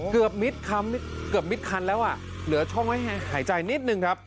เกือบมิดคันแล้วอ่ะเหลือช่องไว้ให้หายใจนิดนึงครับ